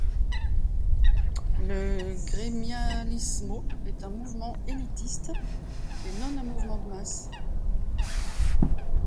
Le grémialismo est un mouvement élitiste et non un mouvement de masse.